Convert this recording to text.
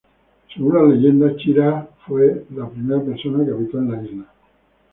Según la leyenda, Chira fue la primera persona que habitó en la isla.